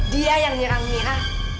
dia yang nyerang mira